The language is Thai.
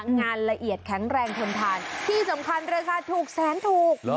งานละเอียดแข็งแรงทนทานที่สำคัญราคาถูกแสนถูก